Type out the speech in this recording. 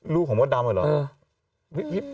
รูปของบ๊อตดำไอหรอ